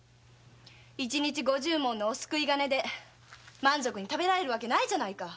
一日五十文のお救い金で満足に食べられるハズないじゃないか。